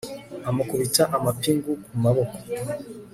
amukubita amapingu ku maboko